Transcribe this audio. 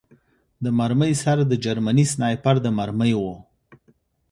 د مرمۍ سر د جرمني سنایپر د مرمۍ و